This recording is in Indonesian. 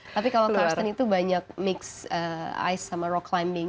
tapi kalau karsten itu banyak mix ice sama rock climbing